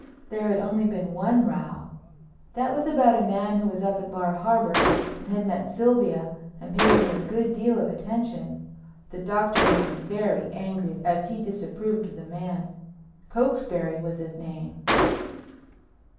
There had only been one row—that was about a man who was up at Bar Harbor and had met Sylvia and paid her a good deal of attention. The Doctor had been very angry as he disapproved of the man—Cokesbury was his name.